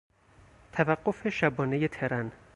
توقف شبانهی ترن